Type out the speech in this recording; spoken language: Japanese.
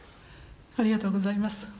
ありがとうございます。